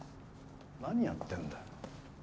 何やってんだよ。